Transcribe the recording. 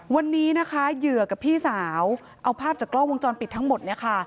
วันนี้นะคะเหยื่อกับพี่สาวเอาภาพจากกล้องวงจรปิดทั้งหมดเนี่ยค่ะ